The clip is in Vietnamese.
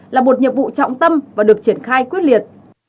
là một nhiệm vụ trọng tâm và được triển khai quyết liệt